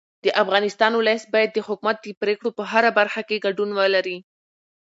د افغانستان ولس باید د حکومت د پرېکړو په هره برخه کې ګډون ولري